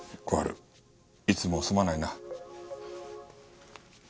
小春いつもすまないな。